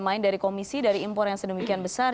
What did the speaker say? main dari komisi dari impor yang sedemikian besar